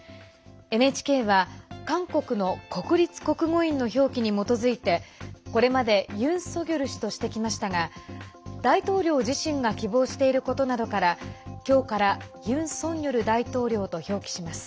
ＮＨＫは韓国の国立国語院の表記に基づいてこれまでユン・ソギョル氏としてきましたが大統領自身が希望していることなどからきょうからユン・ソンニョル大統領と表記します。